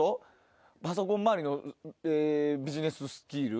パソコン周りのビジネススキル。